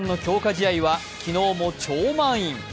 試合は昨日も超満員。